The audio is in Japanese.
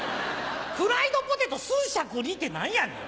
フライドポテト寸尺里って何やねん。